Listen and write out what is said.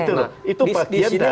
nah itu bagian dari hal hal